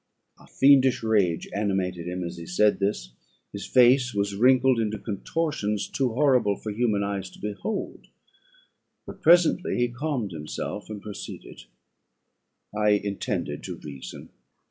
A fiendish rage animated him as he said this; his face was wrinkled into contortions too horrible for human eyes to behold; but presently he calmed himself and proceeded "I intended to reason.